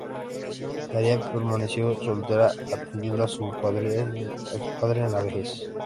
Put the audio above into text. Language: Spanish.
Daría permaneció soltera, atendiendo a su padre en la vejez.